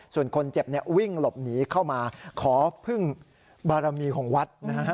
ส่วนคนเจ็บวิ่งหลบหนีเข้ามาขอพึ่งบารมีของวัดนะฮะ